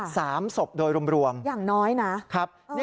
สามศพโดยรวมครับอย่างน้อยนะอ๋อครับ